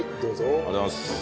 ありがとうございます。